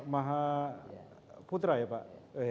mahaputra ya pak